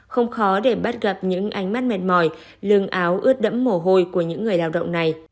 không khó để bắt gặp những ánh mắt mệt mỏi lưng áo ướt đẫm mồ hôi của những người lao động này